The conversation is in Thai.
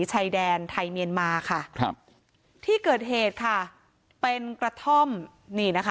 ชายแดนไทยเมียนมาค่ะครับที่เกิดเหตุค่ะเป็นกระท่อมนี่นะคะ